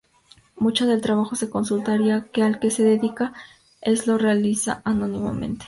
Mucho del trabajo de consultoría que al que se dedica es lo realiza anónimamente.